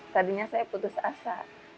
tadinya saya putus asa